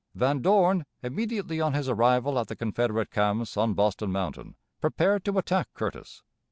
Van Dorn, immediately on his arrival at the Confederate camps on Boston Mountain, prepared to attack Curtis.